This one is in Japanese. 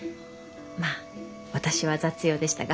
まあ私は雑用でしたが。